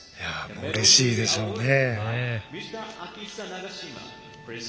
うれしいでしょうね。